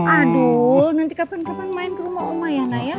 aduh nanti kapan kapan main ke rumah rumah ya naya